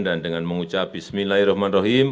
dan dengan mengucap bismillahirrahmanirrahim